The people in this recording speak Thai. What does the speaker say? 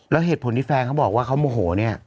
แล้วเหตุผลที่แฟนเขาบอกว่าเขาโมโหเนี่ย